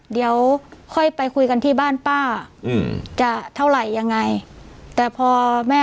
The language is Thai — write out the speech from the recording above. เดี๋ยวค่อยไปคุยกันที่บ้านป้าอืมจะเท่าไหร่ยังไงแต่พอแม่